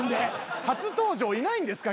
初登場いないんですか？